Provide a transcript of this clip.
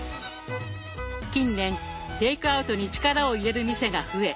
近年テイクアウトに力を入れる店が増え